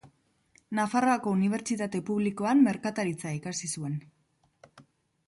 Nafarroako Unibertsitate Publikoan merkataritza ikasi zuen.